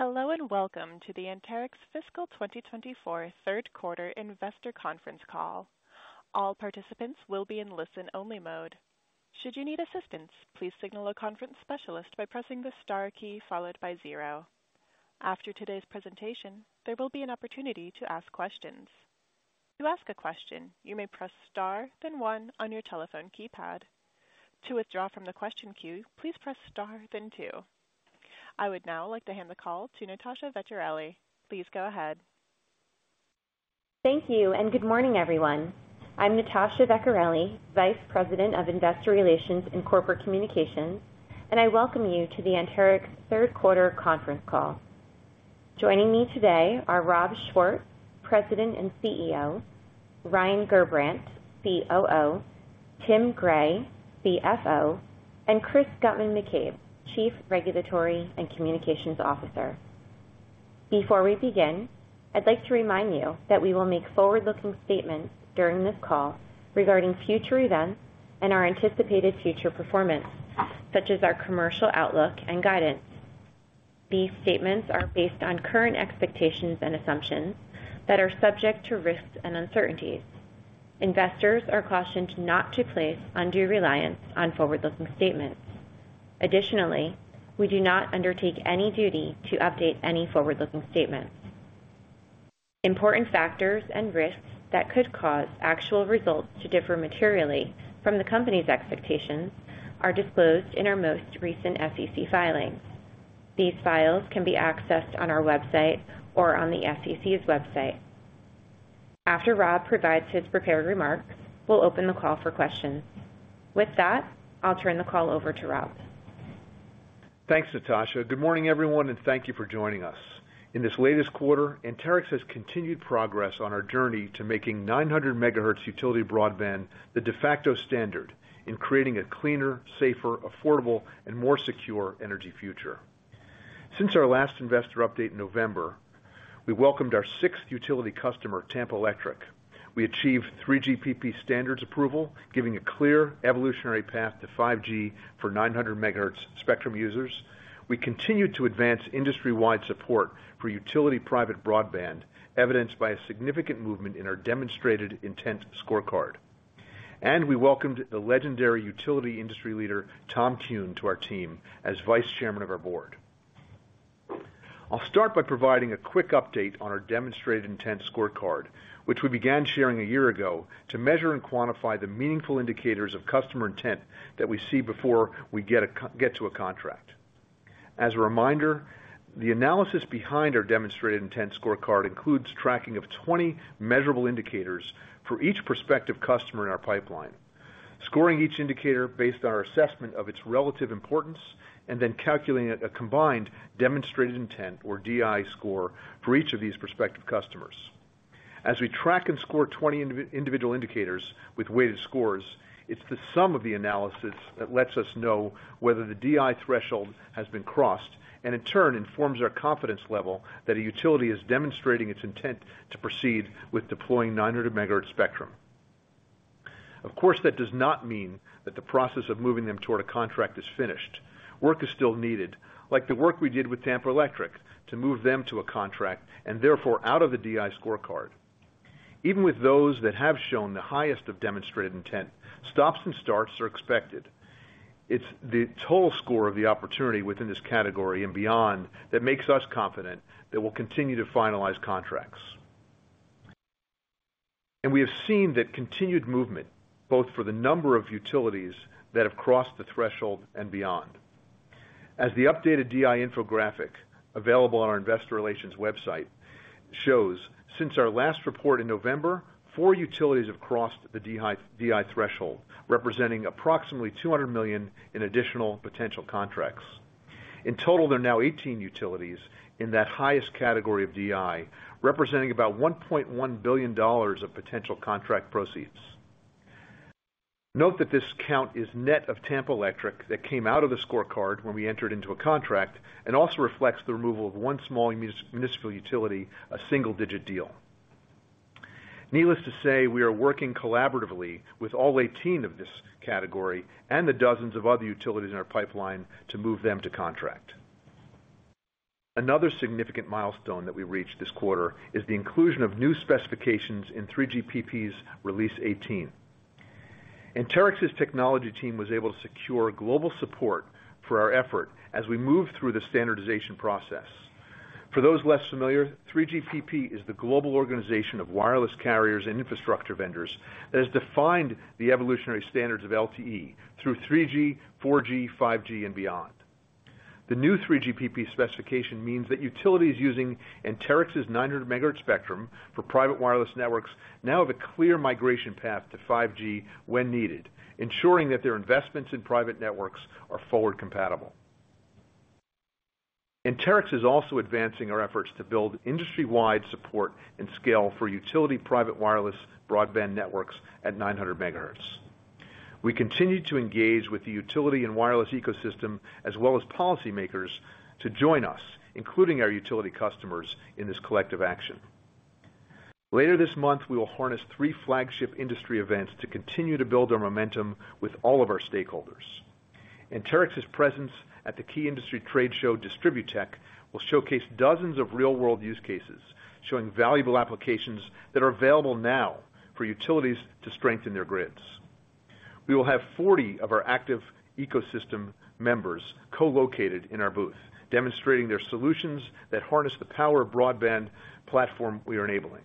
Hello, and welcome to the Anterix Fiscal 2024 third quarter investor conference call. All participants will be in listen-only mode. Should you need assistance, please signal a conference specialist by pressing the Star key followed by zero. After today's presentation, there will be an opportunity to ask questions. To ask a question, you may press Star, then one on your telephone keypad. To withdraw from the question queue, please press Star, then two. I would now like to hand the call to Natasha Vecchiarelli. Please go ahead. Thank you, and good morning, everyone. I'm Natasha Vecchiarelli, Vice President of Investor Relations and Corporate Communications, and I welcome you to the Anterix third quarter conference call. Joining me today are Rob Schwartz, President and CEO, Ryan Gerbrandt, COO, Tim Gray, CFO, and Chris Guttman-McCabe, Chief Regulatory and Communications Officer. Before we begin, I'd like to remind you that we will make forward-looking statements during this call regarding future events and our anticipated future performance, such as our commercial outlook and guidance. These statements are based on current expectations and assumptions that are subject to risks and uncertainties. Investors are cautioned not to place undue reliance on forward-looking statements. Additionally, we do not undertake any duty to update any forward-looking statements. Important factors and risks that could cause actual results to differ materially from the company's expectations are disclosed in our most recent SEC filings. These files can be accessed on our website or on the SEC's website. After Rob provides his prepared remarks, we'll open the call for questions. With that, I'll turn the call over to Rob. Thanks, Natasha. Good morning, everyone, and thank you for joining us. In this latest quarter, Anterix has continued progress on our journey to making 900 MHz utility broadband the de facto standard in creating a cleaner, safer, affordable, and more secure energy future. Since our last investor update in November, we welcomed our sixth utility customer, Tampa Electric. We achieved 3GPP standards approval, giving a clear evolutionary path to 5G for 900 MHz spectrum users. We continued to advance industry-wide support for utility private broadband, evidenced by a significant movement in our Demonstrated Intent Scorecard. We welcomed the legendary utility industry leader, Tom Kuhn, to our team as Vice Chairman of our board. I'll start by providing a quick update on our Demonstrated Intent Scorecard, which we began sharing a year ago to measure and quantify the meaningful indicators of customer intent that we see before we get to a contract. As a reminder, the analysis behind our Demonstrated Intent Scorecard includes tracking of 20 measurable indicators for each prospective customer in our pipeline, scoring each indicator based on our assessment of its relative importance, and then calculating a combined demonstrated intent or DI score for each of these prospective customers. As we track and score 20 individual indicators with weighted scores, it's the sum of the analysis that lets us know whether the DI threshold has been crossed, and in turn, informs our confidence level that a utility is demonstrating its intent to proceed with deploying 900 MHz spectrum. Of course, that does not mean that the process of moving them toward a contract is finished. Work is still needed, like the work we did with Tampa Electric to move them to a contract and therefore out of the DI scorecard. Even with those that have shown the highest of demonstrated intent, stops and starts are expected. It's the total score of the opportunity within this category and beyond that makes us confident that we'll continue to finalize contracts. And we have seen that continued movement, both for the number of utilities that have crossed the threshold and beyond. As the updated DI infographic, available on our investor relations website, shows, since our last report in November, four utilities have crossed the DI threshold, representing approximately $200 million in additional potential contracts. In total, there are now 18 utilities in that highest category of DI, representing about $1.1 billion of potential contract proceeds. Note that this count is net of Tampa Electric that came out of the scorecard when we entered into a contract and also reflects the removal of one small municipal utility, a single-digit deal. Needless to say, we are working collaboratively with all 18 of this category and the dozens of other utilities in our pipeline to move them to contract. Another significant milestone that we reached this quarter is the inclusion of new specifications in 3GPP's Release 18. Anterix's technology team was able to secure global support for our effort as we moved through the standardization process. For those less familiar, 3GPP is the global organization of wireless carriers and infrastructure vendors that has defined the evolutionary standards of LTE through 3G, 4G, 5G, and beyond. The new 3GPP specification means that utilities using Anterix's 900 MHz spectrum for private wireless networks now have a clear migration path to 5G when needed, ensuring that their investments in private networks are forward-compatible. Anterix is also advancing our efforts to build industry-wide support and scale for utility private wireless broadband networks at 900 MHz. We continue to engage with the utility and wireless ecosystem, as well as policymakers, to join us, including our utility customers, in this collective action… Later this month, we will harness three flagship industry events to continue to build our momentum with all of our stakeholders. Anterix's presence at the key industry trade show, DistribuTECH, will showcase dozens of real-world use cases, showing valuable applications that are available now for utilities to strengthen their grids. We will have 40 of our active ecosystem members co-located in our booth, demonstrating their solutions that harness the power of broadband platform we are enabling.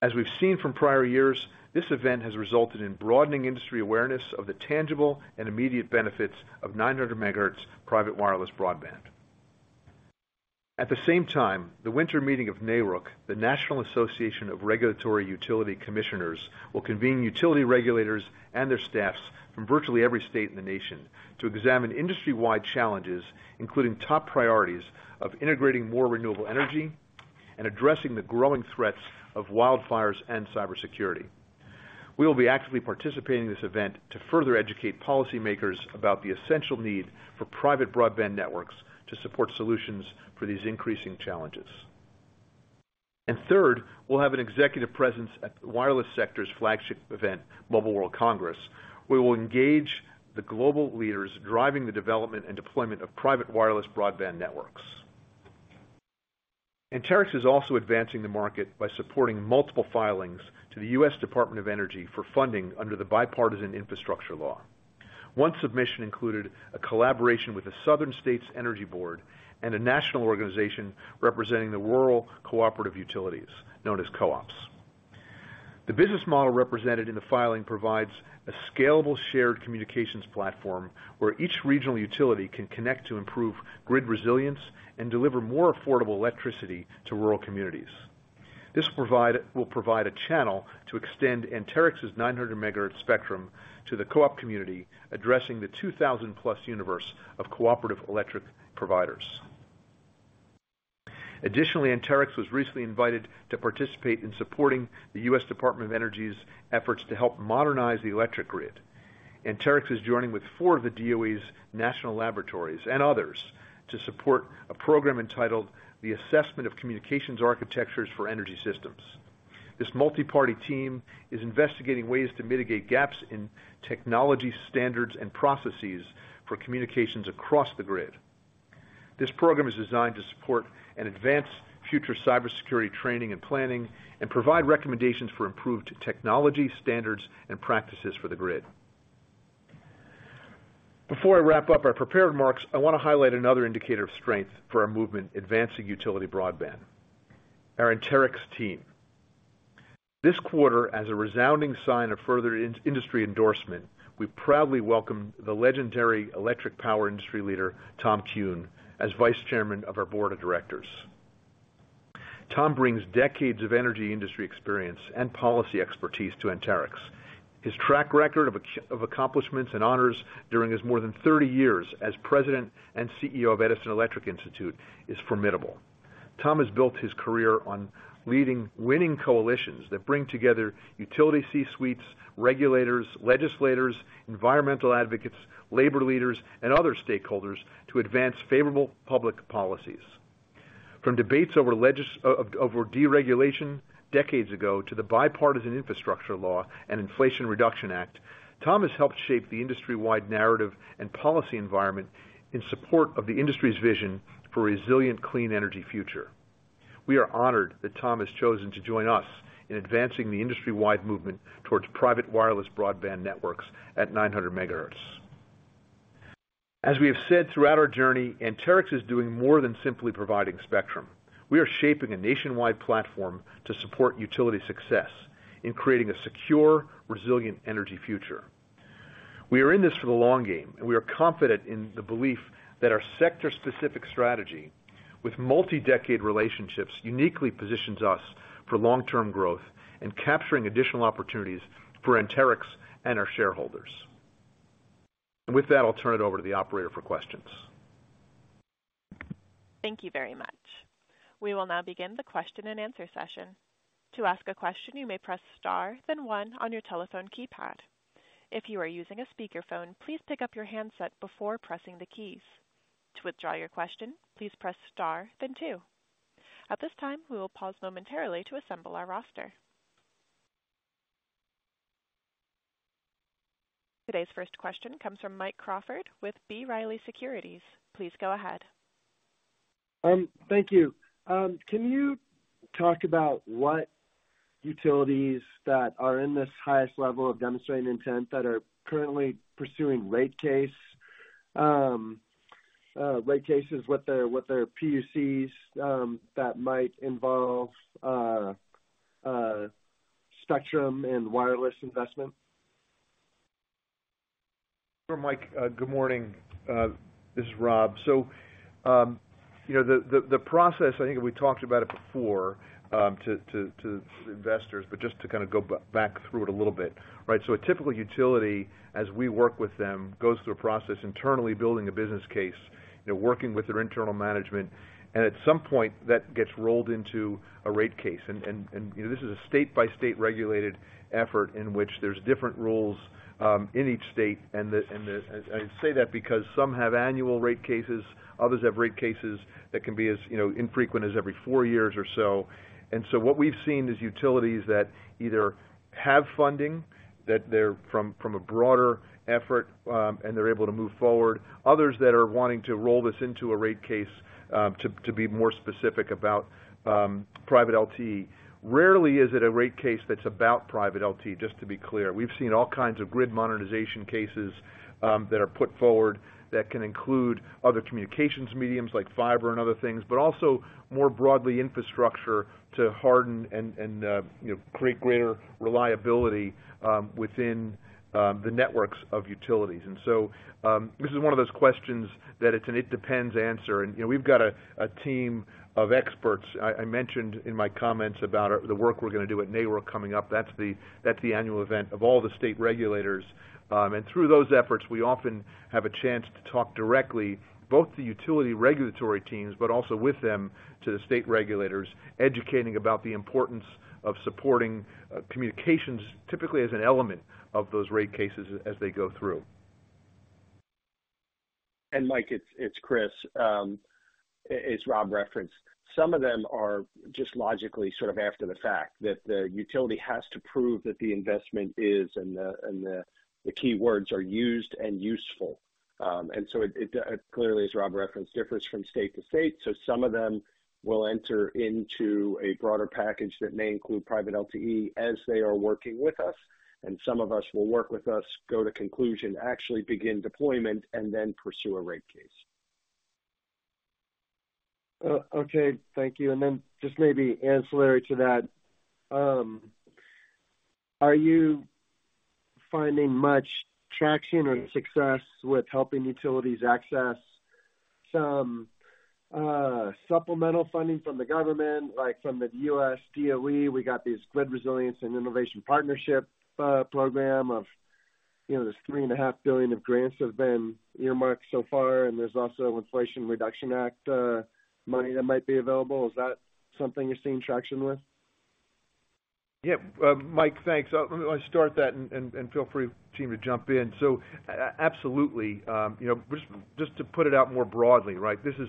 As we've seen from prior years, this event has resulted in broadening industry awareness of the tangible and immediate benefits of 900 MHz private wireless broadband. At the same time, the winter meeting of NARUC, the National Association of Regulatory Utility Commissioners, will convene utility regulators and their staffs from virtually every state in the nation to examine industry-wide challenges, including top priorities of integrating more renewable energy and addressing the growing threats of wildfires and cybersecurity. We will be actively participating in this event to further educate policymakers about the essential need for private broadband networks to support solutions for these increasing challenges. And third, we'll have an executive presence at the wireless sector's flagship event, Mobile World Congress, where we will engage the global leaders driving the development and deployment of private wireless broadband networks. Anterix is also advancing the market by supporting multiple filings to the U.S. Department of Energy for funding under the Bipartisan Infrastructure Law. One submission included a collaboration with the Southern States Energy Board and a national organization representing the Rural Cooperative Utilities, known as Co-ops. The business model represented in the filing provides a scalable shared communications platform where each regional utility can connect to improve grid resilience and deliver more affordable electricity to rural communities. This will provide a channel to extend Anterix's 900 MHz spectrum to the co-op community, addressing the 2,000-plus universe of cooperative electric providers. Additionally, Anterix was recently invited to participate in supporting the U.S. Department of Energy's efforts to help modernize the electric grid. Anterix is joining with four of the DOE's national laboratories and others to support a program entitled The Assessment of Communications Architectures for Energy Systems. This multi-party team is investigating ways to mitigate gaps in technology, standards, and processes for communications across the grid. This program is designed to support and advance future cybersecurity training and planning and provide recommendations for improved technology, standards, and practices for the grid. Before I wrap up our prepared remarks, I want to highlight another indicator of strength for our movement, advancing utility broadband, our Anterix team. This quarter, as a resounding sign of further in-industry endorsement, we proudly welcome the legendary electric power industry leader, Tom Kuhn, as Vice Chairman of our board of directors. Tom brings decades of energy industry experience and policy expertise to Anterix. His track record of accomplishments and honors during his more than 30 years as President and CEO of Edison Electric Institute is formidable. Tom has built his career on leading winning coalitions that bring together utility C-suites, regulators, legislators, environmental advocates, labor leaders, and other stakeholders to advance favorable public policies. From debates over deregulation decades ago to the Bipartisan Infrastructure Law and Inflation Reduction Act, Tom has helped shape the industry-wide narrative and policy environment in support of the industry's vision for a resilient, clean energy future. We are honored that Tom has chosen to join us in advancing the industry-wide movement towards private wireless broadband networks at 900 MHz. As we have said throughout our journey, Anterix is doing more than simply providing spectrum. We are shaping a nationwide platform to support utility success in creating a secure, resilient energy future. We are in this for the long game, and we are confident in the belief that our sector-specific strategy with multi-decade relationships, uniquely positions us for long-term growth and capturing additional opportunities for Anterix and our shareholders. And with that, I'll turn it over to the operator for questions. Thank you very much. We will now begin the question-and-answer session. To ask a question, you may press Star, then one on your telephone keypad. If you are using a speakerphone, please pick up your handset before pressing the keys. To withdraw your question, please press Star, then two. At this time, we will pause momentarily to assemble our roster. Today's first question comes from Mike Crawford with B. Riley Securities. Please go ahead. Thank you. Can you talk about what utilities that are in this highest level of demonstrating intent that are currently pursuing rate cases with their PUCs that might involve spectrum and wireless investment? Sure, Mike. Good morning, this is Rob. So, you know, the process, I think we talked about it before, to investors, but just to kind of go back through it a little bit, right? So a typical utility, as we work with them, goes through a process internally building a business case, they're working with their internal management, and at some point, that gets rolled into a rate case. And, you know, this is a state-by-state regulated effort in which there's different rules in each state. And I say that because some have annual rate cases, others have rate cases that can be as, you know, infrequent as every four years or so. And so what we've seen is utilities that either have funding that they're from a broader effort and they're able to move forward. Others that are wanting to roll this into a rate case to be more specific about private LTE. Rarely is it a rate case that's about private LTE, just to be clear. We've seen all kinds of grid modernization cases that are put forward that can include other communications mediums like fiber and other things, but also more broadly, infrastructure to harden and you know create greater reliability within the networks of utilities. And so this is one of those questions that it's an it depends answer. And you know we've got a team of experts. I mentioned in my comments about our the work we're gonna do at NARUC coming up. That's the, that's the annual event of all the state regulators. And through those efforts, we often have a chance to talk directly, both the utility regulatory teams, but also with them to the state regulators, educating about the importance of supporting communications, typically as an element of those rate cases as they go through. And Mike, it's Chris. As Rob referenced, some of them are just logically sort of after the fact that the utility has to prove that the investment is, and the key words are used and useful. And so it clearly, as Rob referenced, differs from state to state. So some of them will enter into a broader package that may include private LTE as they are working with us, and some of us will work with us, go to conclusion, actually begin deployment, and then pursue a rate case. Okay. Thank you. And then just maybe ancillary to that, are you finding much traction or success with helping utilities access some supplemental funding from the government? Like from the U.S. DOE, we got these Grid Resilience and Innovation Partnership program of, you know, there's $3.5 billion of grants have been earmarked so far, and there's also Inflation Reduction Act money that might be available. Is that something you're seeing traction with? Yeah. Mike, thanks. Let me start that and feel free, team, to jump in. So absolutely, you know, just to put it out more broadly, right? This is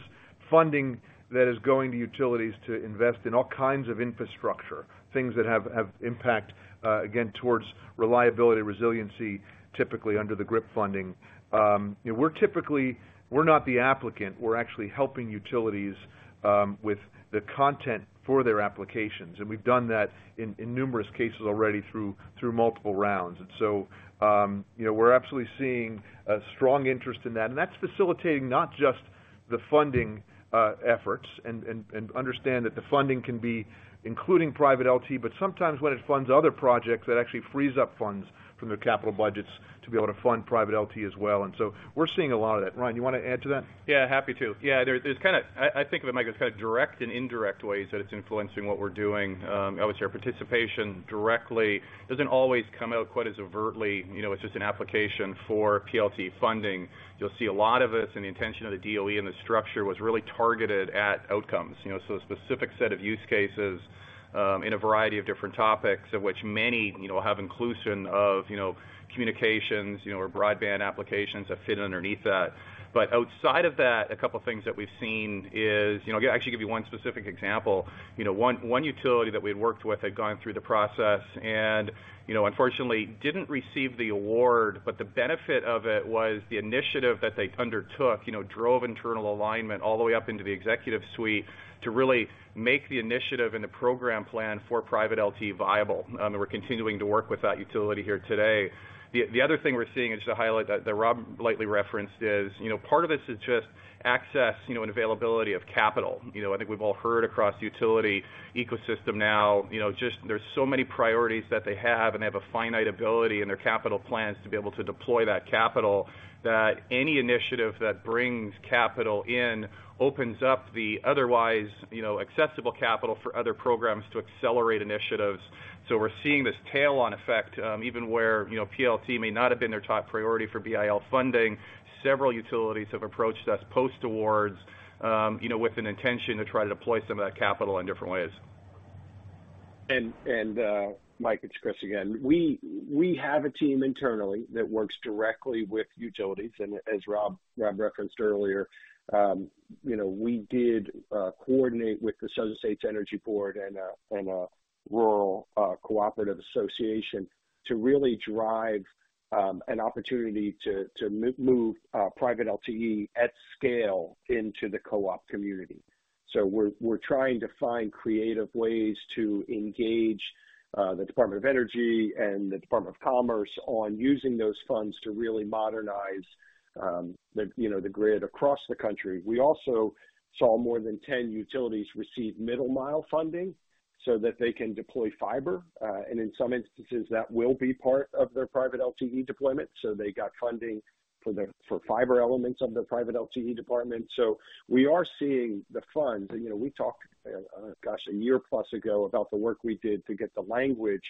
funding that is going to utilities to invest in all kinds of infrastructure, things that have impact, again, towards reliability, resiliency, typically under the GRIP funding. We're typically... we're not the applicant, we're actually helping utilities with the content for their applications, and we've done that in numerous cases already through multiple rounds. And so, you know, we're absolutely seeing a strong interest in that. And that's facilitating not just the funding, efforts, and understand that the funding can be including private LTE, but sometimes when it funds other projects, that actually frees up funds from their capital budgets to be able to fund private LTE as well. And so we're seeing a lot of that. Ryan, you want to add to that? Yeah, happy to. Yeah, there's kind of. I think of it, Mike, as kind of direct and indirect ways that it's influencing what we're doing. I would say our participation directly doesn't always come out quite as overtly, you know, it's just an application for PLT funding. You'll see a lot of this, and the intention of the DOE and the structure was really targeted at outcomes. You know, so a specific set of use cases in a variety of different topics, of which many, you know, have inclusion of, you know, communications, you know, or broadband applications that fit underneath that. But outside of that, a couple of things that we've seen is, you know, I'll actually give you one specific example. You know, one utility that we had worked with had gone through the process and, you know, unfortunately, didn't receive the award, but the benefit of it was the initiative that they undertook, you know, drove internal alignment all the way up into the executive suite to really make the initiative and the program plan for private LTE viable. And we're continuing to work with that utility here today. The other thing we're seeing, and just to highlight that that Rob lightly referenced, is, you know, part of this is just access, you know, and availability of capital. You know, I think we've all heard across the utility ecosystem now, you know, just there's so many priorities that they have, and they have a finite ability in their capital plans to be able to deploy that capital, that any initiative that brings capital in opens up the otherwise, you know, accessible capital for other programs to accelerate initiatives. So we're seeing this tail-on effect, even where, you know, PLT may not have been their top priority for BIL funding. Several utilities have approached us post-awards, you know, with an intention to try to deploy some of that capital in different ways. Mike, it's Chris again. We have a team internally that works directly with utilities, and as Rob referenced earlier, you know, we did coordinate with the Southern States Energy Board and a rural cooperative association to really drive an opportunity to move private LTE at scale into the co-op community. So we're trying to find creative ways to engage the Department of Energy and the Department of Commerce on using those funds to really modernize, you know, the grid across the country. We also saw more than 10 utilities receive Middle Mile funding so that they can deploy fiber, and in some instances, that will be part of their private LTE deployment. So they got funding-... for the, for fiber elements of the private LTE department. So we are seeing the funds, and, you know, we talked, gosh, a year plus ago about the work we did to get the language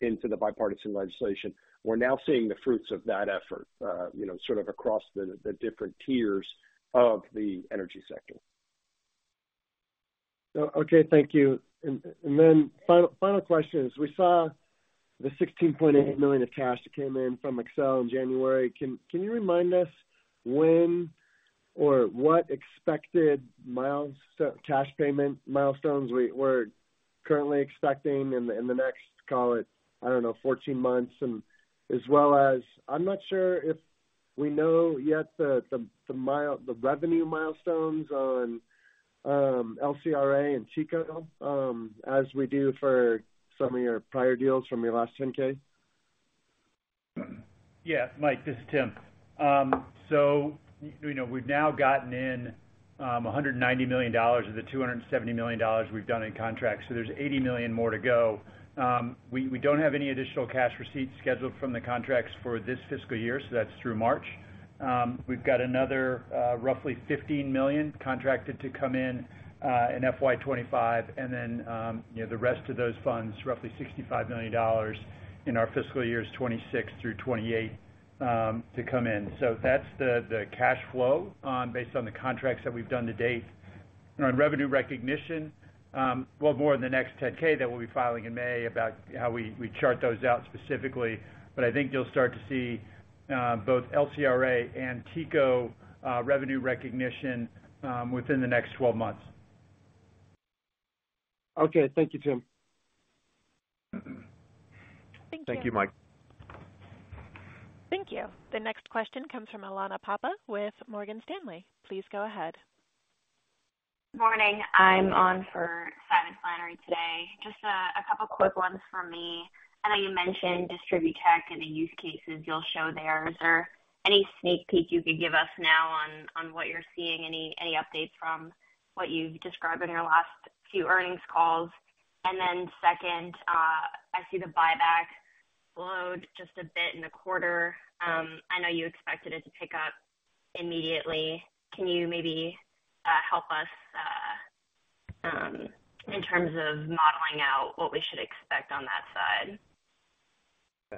into the bipartisan legislation. We're now seeing the fruits of that effort, you know, sort of across the different tiers of the energy sector. So, okay, thank you. And then final question is, we saw the $16.8 million of cash that came in from Xcel in January. Can you remind us when or what expected milestones, cash payment milestones we're currently expecting in the next, call it, I don't know, 14 months? And as well as I'm not sure if we know yet the revenue milestones on LCRA and TECO, as we do for some of your prior deals from your last 10-K. Yeah, Mike, this is Tim. So you know, we've now gotten in $190 million of the $270 million we've done in contracts, so there's $80 million more to go. We don't have any additional cash receipts scheduled from the contracts for this fiscal year, so that's through March. We've got another roughly $15 million contracted to come in in FY 2025. And then you know, the rest of those funds, roughly $65 million, in our fiscal years 2026 through 2028 to come in. So that's the cash flow on, based on the contracts that we've done to date. On revenue recognition, we'll have more in the next 10-K that we'll be filing in May about how we chart those out specifically, but I think you'll start to see both LCRA and TECO revenue recognition within the next 12 months. Okay. Thank you, Tim. Thank you, Mike. Thank you. The next question comes from Eileen Appiah with Morgan Stanley. Please go ahead. Morning. I'm on for Simon Flannery today. Just a couple quick ones from me. I know you mentioned DistribuTECH and the use cases you'll show there. Is there any sneak peek you could give us now on what you're seeing? Any updates from what you've described in your last few earnings calls? And then second, I see the buyback load just a bit in the quarter. I know you expected it to pick up immediately. Can you maybe help us in terms of modeling out what we should expect on that side?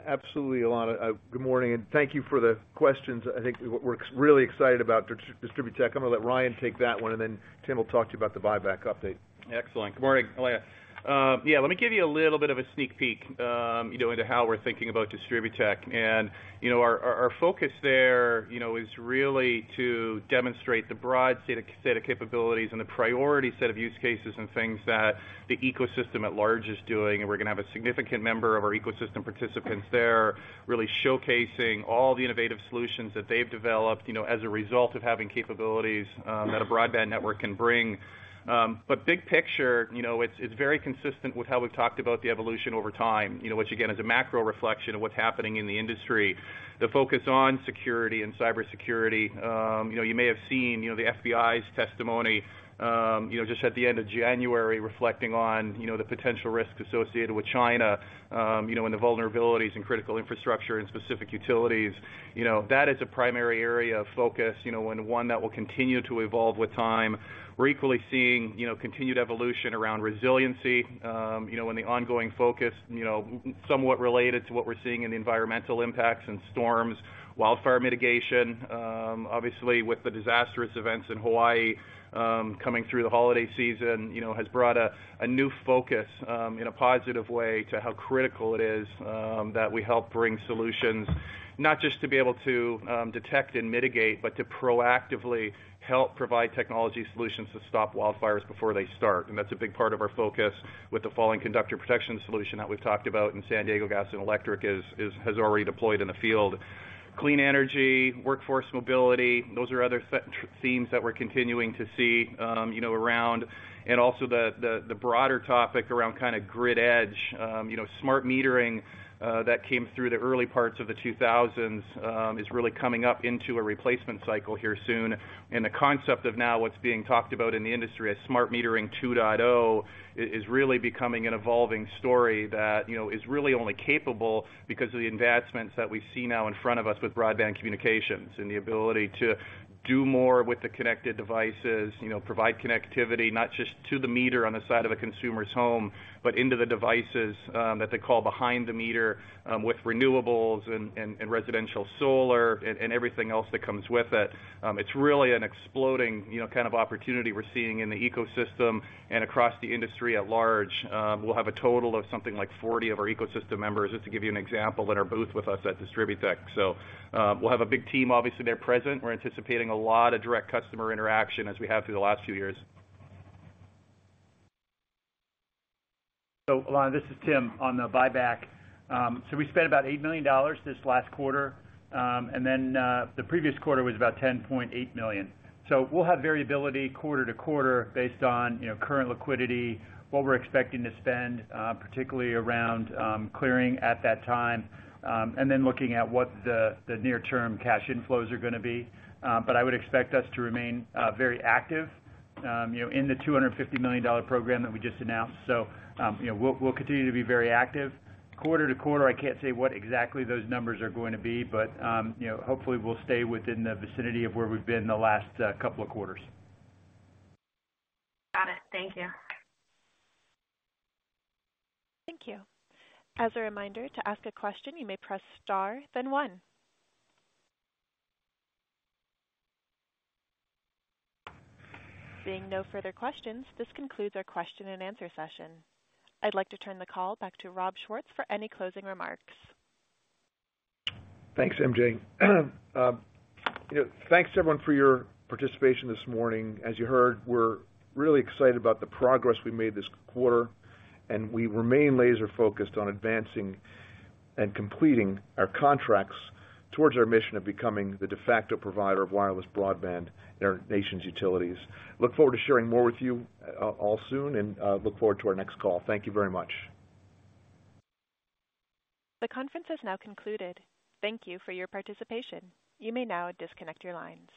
Absolutely, Eileen. Good morning, and thank you for the questions. I think we're really excited about DistribuTECH. I'm going to let Ryan take that one, and then Tim will talk to you about the buyback update. Excellent. Good morning, Eileen. Yeah, let me give you a little bit of a sneak peek, you know, into how we're thinking about DistribuTECH. And, you know, our focus there, you know, is really to demonstrate the broad set of capabilities and the priority set of use cases and things that the ecosystem at large is doing. And we're gonna have a significant member of our ecosystem participants there, really showcasing all the innovative solutions that they've developed, you know, as a result of having capabilities that a broadband network can bring. But big picture, you know, it's very consistent with how we've talked about the evolution over time. You know, which again, is a macro reflection of what's happening in the industry. The focus on security and cybersecurity, you know, you may have seen, you know, the FBI's testimony, you know, just at the end of January, reflecting on, you know, the potential risks associated with China, you know, and the vulnerabilities in critical infrastructure and specific utilities. You know, that is a primary area of focus, you know, and one that will continue to evolve with time. We're equally seeing, you know, continued evolution around resiliency, you know, and the ongoing focus, you know, somewhat related to what we're seeing in the environmental impacts and storms, wildfire mitigation. Obviously, with the disastrous events in Hawaii coming through the holiday season, you know, has brought a new focus in a positive way to how critical it is that we help bring solutions, not just to be able to detect and mitigate, but to proactively help provide technology solutions to stop wildfires before they start. And that's a big part of our focus with the Falling Conductor Protection solution that we've talked about, and San Diego Gas and Electric has already deployed in the field. Clean energy, workforce mobility, those are other set themes that we're continuing to see, you know, around, and also the broader topic around kind of grid edge. You know, smart metering that came through the early parts of the 2000s is really coming up into a replacement cycle here soon. The concept of now what's being talked about in the industry as Smart Metering 2.0 is really becoming an evolving story that, you know, is really only capable because of the advancements that we see now in front of us with broadband communications and the ability to do more with the connected devices. You know, provide connectivity, not just to the meter on the side of a consumer's home, but into the devices that they call behind the meter with renewables and residential solar and everything else that comes with it. It's really an exploding, you know, kind of opportunity we're seeing in the ecosystem and across the industry at large. We'll have a total of something like 40 of our ecosystem members, just to give you an example, in our booth with us at DistribuTECH. So, we'll have a big team, obviously, there present. We're anticipating a lot of direct customer interaction as we have through the last few years. So Eileen, this is Tim, on the buyback. So we spent about $8 million this last quarter, and then, the previous quarter was about $10.8 million. So we'll have variability quarter to quarter based on, you know, current liquidity, what we're expecting to spend, particularly around, clearing at that time, and then looking at what the near-term cash inflows are gonna be. But I would expect us to remain very active, you know, in the $250 million program that we just announced. So, you know, we'll continue to be very active. Quarter to quarter, I can't say what exactly those numbers are going to be, but you know, hopefully we'll stay within the vicinity of where we've been the last couple of quarters. Got it. Thank you. Thank you. As a reminder, to ask a question, you may press Star, then one. Seeing no further questions, this concludes our question and answer session. I'd like to turn the call back to Rob Schwartz for any closing remarks. Thanks, MJ. You know, thanks, everyone, for your participation this morning. As you heard, we're really excited about the progress we made this quarter, and we remain laser focused on advancing and completing our contracts towards our mission of becoming the de facto provider of wireless broadband in our nation's utilities. Look forward to sharing more with you all soon, and look forward to our next call. Thank you very much. The conference is now concluded. Thank you for your participation. You may now disconnect your line.